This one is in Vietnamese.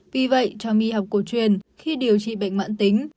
vì vậy cho y học cổ truyền khi điều trị bệnh mạng tính